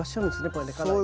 これねかなりね。